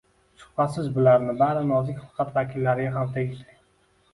Shubhasiz, bularning bari nozik hilqat vakillariga ham tegishli